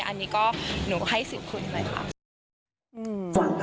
อันนี้ก็หนูให้สิ่งคุณเลยค่ะ